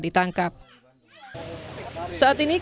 kami berharap kasus pembunuhan vina dapat segera ditangkap